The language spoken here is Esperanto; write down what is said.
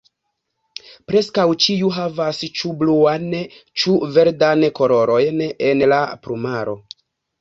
Preskaŭ ĉiu havas ĉu bluan ĉu verdan kolorojn en la plumaro.